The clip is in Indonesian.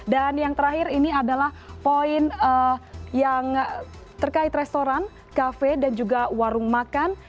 dan yang terakhir ini adalah poin yang terkait restoran kafe dan juga warung makan